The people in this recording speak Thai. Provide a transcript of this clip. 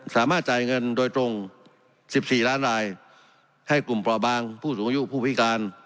สามารถจ่ายเงินโดยตรง๑๔ล้านรายให้กลุ่มปลอบางผู้สูงอายุผู้พิการ